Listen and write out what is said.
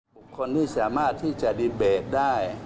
บุคคลที่สามารถที่จะดีเบตได้